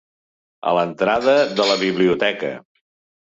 A l'entrada de la biblioteca.